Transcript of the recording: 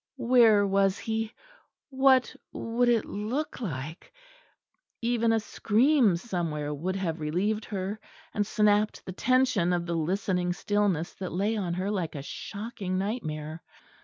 Where was he? What would it look like? Even a scream somewhere would have relieved her, and snapped the tension of the listening stillness that lay on her like a shocking nightmare.